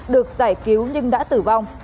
được giải cứu nhưng đã tử vong